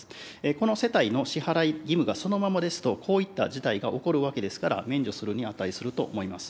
この世帯の支払い義務がそのままですと、こういった事態が起こるわけですから、免除するに値すると思います。